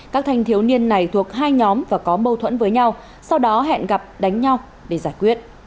các thanh thiếu niên này thuộc hai nhóm và có mâu thuẫn với nhau sau đó hẹn gặp đánh nhau để giải quyết